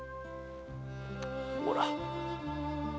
ほら。